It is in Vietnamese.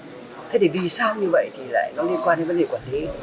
thế thì vì sao như vậy thì lại nó liên quan đến vấn đề quản lý